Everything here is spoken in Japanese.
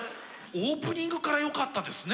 オープニングからよかったですね。